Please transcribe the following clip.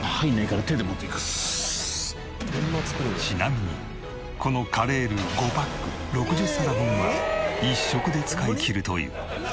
ちなみにこのカレールウ５パック６０皿分は１食で使いきるという。